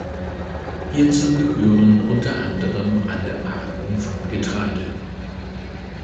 Hierzu gehören unter anderem alle Arten von Getreide.